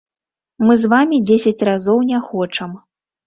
Мы з вамі дзесяць разоў не хочам!